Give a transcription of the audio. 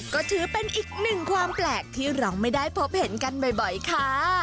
ก็ถือเป็นอีกหนึ่งความแปลกที่เราไม่ได้พบเห็นกันบ่อยค่ะ